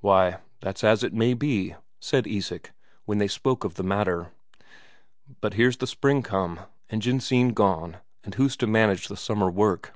"Why, that's as it may be," said Isak, when they spoke of the matter. "But here's the spring come, and Jensine gone, and who's to manage the summer work?"